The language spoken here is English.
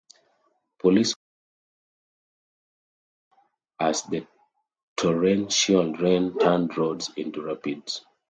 Police were closing off roads as the torrential rain turned roads into rapids.